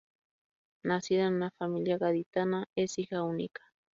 Nacida en una familia gaditana, es hija única.